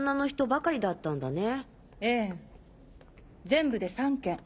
全部で３件。